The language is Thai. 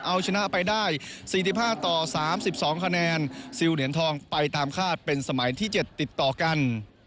เอาชนะไปได้๔๕ต่อ๓๒คะแนนซิลเหรียญทองไปตามคาดเป็นสมัยที่๗ติดต่อกัน